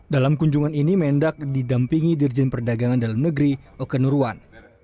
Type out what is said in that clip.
dalam kunjungan ini mendak didampingi dirjen perdagangan dalam negeri oke nurwan